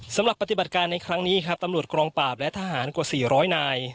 สำหรับปฏิบัติการในครั้งนี้ครับตำรวจกองปราบและทหารกว่า๔๐๐นาย